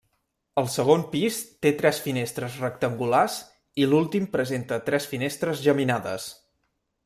El segon pis té tres finestres rectangulars i l'últim presenta tres finestres geminades.